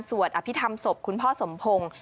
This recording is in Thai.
สวดอภิธรรมศพคุณพ่อสมพงศ์